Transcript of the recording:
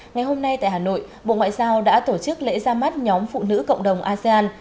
ngày hôm nay tại hà nội bộ ngoại giao đã tổ chức lễ ra mắt nhóm phụ nữ cộng đồng asean